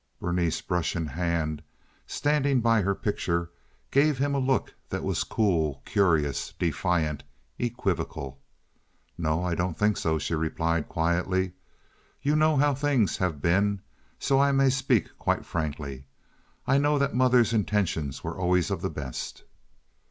Berenice, brush in hand, standing by her picture, gave him a look that was cool, curious, defiant, equivocal. "No, I don't think so," she replied, quietly. "You know how things have been, so I may speak quite frankly. I know that mother's intentions were always of the best."